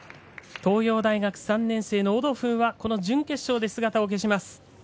東洋大学３年生のオドフーは準決勝で姿を消します。